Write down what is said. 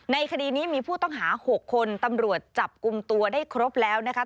คดีนี้มีผู้ต้องหา๖คนตำรวจจับกลุ่มตัวได้ครบแล้วนะคะ